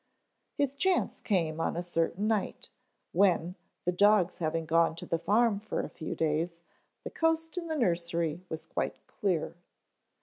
His chance came on a certain night, when, the dogs having gone to the farm for a few days, the coast in the nursery was quite clear.